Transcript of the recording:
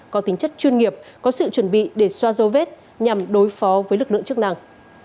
có tính chất chuyên nghiệp có sự chuẩn bị để xoa dấu vết nhằm đối phó với lực lượng chức năng